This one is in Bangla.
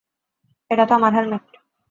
এটা তো আমার হেলমেট।